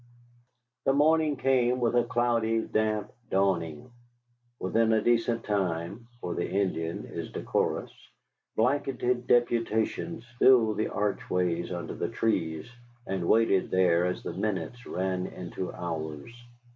The morning came with a cloudy, damp dawning. Within a decent time (for the Indian is decorous) blanketed deputations filled the archways under the trees and waited there as the minutes ran into hours.